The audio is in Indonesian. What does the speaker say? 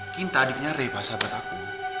kinta adiknya rebah sahabat aku